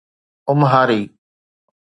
امهاري